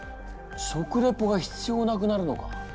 食レポが必要なくなるのか。